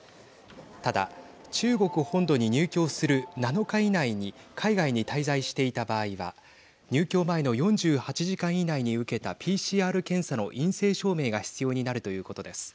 ただ中国本土に入境する７日以内に海外に滞在していた場合は入境前の４８時間以内に受けたＰＣＲ検査の陰性証明が必要になるということです。